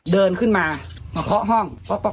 เดินขึ้นมาเขาเคาะห้องป๊อก